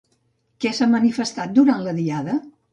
Què s'ha manifestat durant la diada?